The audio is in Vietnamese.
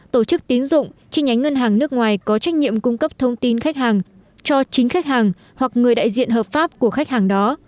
tổ chức tín dụng chi nhánh ngân hàng nước ngoài có trách nhiệm cung cấp thông tin khách hàng cho chính khách hàng hoặc người đại diện hợp pháp của khách hàng đó